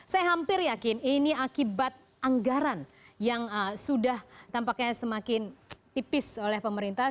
saya hampir yakin ini akibat anggaran yang sudah tampaknya semakin tipis oleh pemerintah